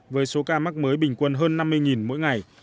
với số ca mắc mới bình quân hơn năm mươi mỗi ngày